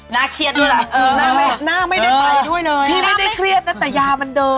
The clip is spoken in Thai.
เครียดด้วยล่ะหน้าไม่ได้ไปด้วยเลยพี่ไม่ได้เครียดนะแต่ยามันเดิน